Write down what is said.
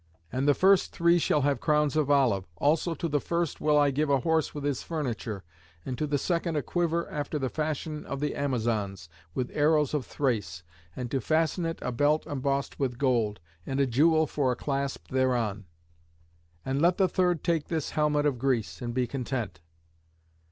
And the first three shall have crowns of olive. Also to the first will I give a horse with his furniture, and to the second a quiver after the fashion of the Amazons, with arrows of Thrace, and to fasten it a belt embossed with gold, and a jewel for a clasp thereon. And let the third take this helmet of Greece, and be content."